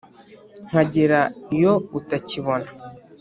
nkagera iyo utakibona,